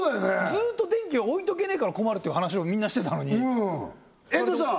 ずっと電気を置いておけねえから困るっていう話をみんなしてたのに遠藤さん